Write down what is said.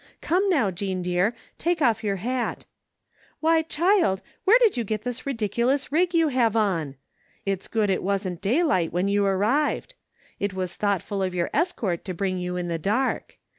Come now, Jean dear, take off your hat Why, child, where did you get this ridicu lous rig you have on? It's good it wasn't daylight when you arrived. It was thoughtful of your escort to bring you in the dark.